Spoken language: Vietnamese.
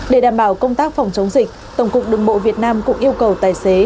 để đảm bảo công tác phòng chống dịch tổng cục đường bộ việt nam cũng yêu cầu tài xế